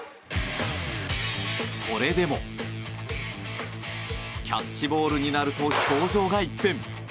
それでもキャッチボールになると表情が一変。